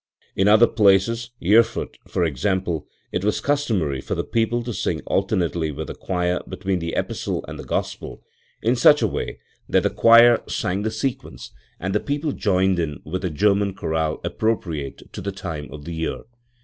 In other places, Erfurt, for example, it was customary for the people to sing alternately with the choir between the Epistle and the Gospel, in such a way that the choir sang the sequence and the people joined in with a German chorale appropriate to the time of the year.